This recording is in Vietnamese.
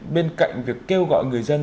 bên cạnh việc kêu gọi người dân